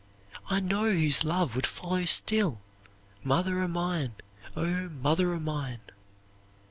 I know whose love would follow still, Mother o' mine, O mother o' mine!